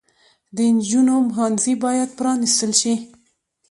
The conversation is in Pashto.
د انجونو ښوونځي بايد پرانستل شي